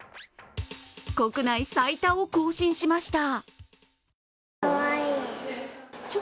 国内最多を更新しました。